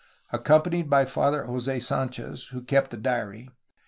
Accompanied by Father Jos^ Sanchez, who kept the diary.